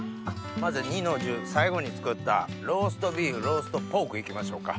まずは弐の重最後に作ったローストビーフローストポーク行きましょうか。